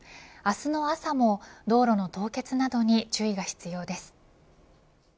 明日の朝も道路の凍結などに注意が必要です。